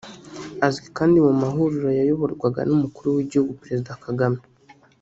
Azwi kandi mu mahuriro yayoborwaga n’umukuru w’igihugu Perezida Kagame